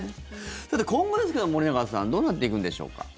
今後ですけど、森永さんどうなっていくんでしょうか？